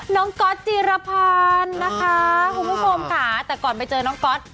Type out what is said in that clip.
น้องก็อดจีรพานนะคะครับคุณผู้ชมค่ะแต่ก่อนไปเจอน้องก็อด